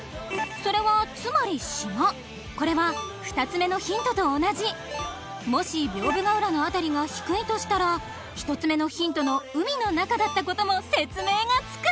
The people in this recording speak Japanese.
それはつまり島これは２つ目のヒントと同じもし屏風ヶ浦の辺りが低いとしたら１つ目のヒントの海の中だったことも説明がつく